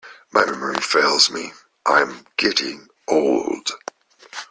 My memory fails me, am I getting old?